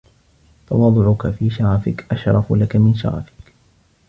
تَوَاضُعُك فِي شَرَفِك أَشْرَفُ لَك مِنْ شَرَفِك